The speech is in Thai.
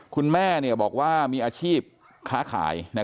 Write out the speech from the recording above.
คุณแม่บอกว่ามีอาชีพค้าขาย